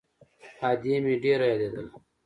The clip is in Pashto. ادې مې ډېره يادېدله.